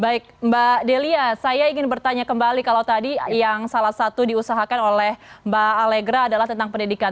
baik mbak delia saya ingin bertanya kembali kalau tadi yang salah satu diusahakan oleh mbak alegra adalah tentang pendidikan